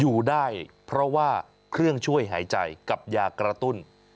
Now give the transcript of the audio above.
อยู่ได้เพราะว่าเครื่องช่วยหายใจกับยากระตุ้น